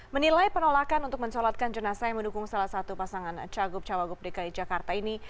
menilai penolakan untuk mensolatkan jenazah yang mendukung salah satu pasangan cagup cawagup dki jakarta ini